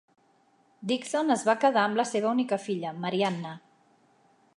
Dixon es va quedar amb la seva única filla, Marianna.